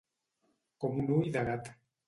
Com un ull de gat.